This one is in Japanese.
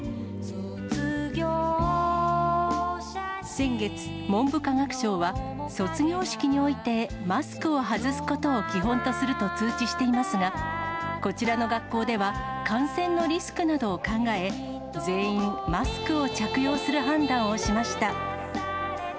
先月、文部科学省は、卒業式においてマスクを外すことを基本とすると通知していますが、こちらの学校では、感染のリスクなどを考え、全員マスクを着用する判断をしました。